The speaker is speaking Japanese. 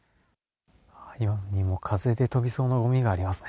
今にも風で飛びそうなごみがありますね。